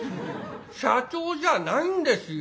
社長じゃないんですよ。